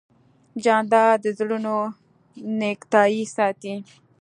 جانداد د زړونو نېکتایي ساتي.